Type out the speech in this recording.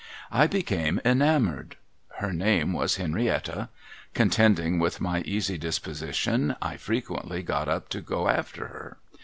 I became enamoured. Her name was Henrietta. Contending with my easy disposition, I frequently got up to go after her.